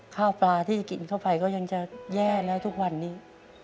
ข้าวปลาที่จะกินเข้าไปก็ยังจะแย่แล้วทุกวันนี้